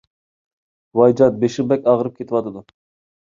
ۋايجان، بېشىم بەك ئاغرىپ كېتىۋاتىدۇ.